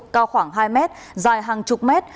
cao khoảng hai mét dài hàng chục mét